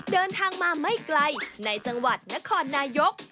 เดินทางมาไม่ไกลในจังหวัดนครนายก